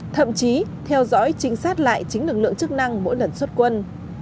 thậm chí theo dõi trinh sát lại chính lực lượng chức năng mỗi lần xuất quân